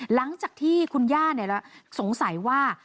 หลังจากที่คุณย่าสงสัยว่า